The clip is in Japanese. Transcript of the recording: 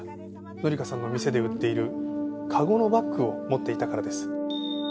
紀香さんの店で売っている籠のバッグを持っていたからです。